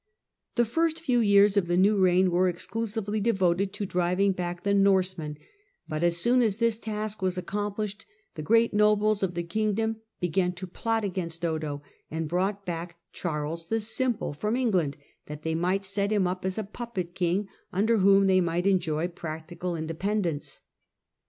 The first few years of the new reign were exclusively devoted to driving back the Norsemen, but as soon as this task was accomplished the great nobles of the kingdom began to plot against Odo, and brought back Charles the Simple from Eng land that they might set him up as a puppet king, under whom they might enjoy practical independence.